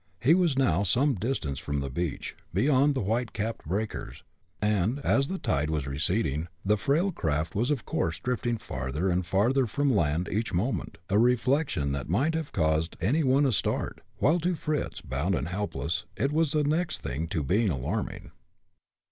He was now some distance from the beach, beyond the white capped breakers, and, as the tide was receding, the frail craft was of course drifting farther and farther from land each moment, a reflection that might have caused any one a start, while to Fritz, bound and helpless, it was the next thing to being alarming.